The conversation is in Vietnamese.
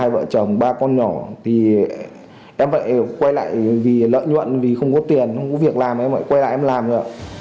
hai vợ chồng ba con nhỏ thì em phải quay lại vì lợi nhuận vì không có tiền không có việc làm em phải quay lại